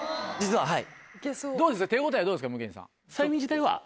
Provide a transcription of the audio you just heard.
はい。